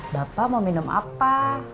bapak mau minum apa